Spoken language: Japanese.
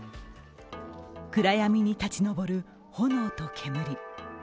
暗闇に立ち上る炎と煙。